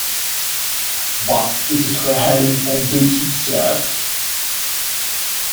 Wat is het geheim van dit succes?